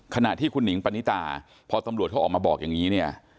ขณะที่คุณหิงปณิตาพอตำรวจเขาออกมาบอกอย่างนี้เนี่ย